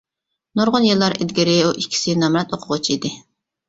نۇرغۇن يىللار ئىلگىرى ئۇ ئىككىسى نامرات ئوقۇغۇچى ئىدى.